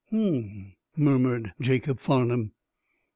"Hm!" murmured Jacob Farnum.